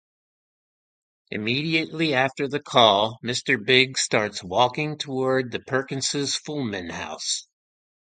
Immediately after the call, "Mr Big" starts walking towards the Perkinses' Fulham house.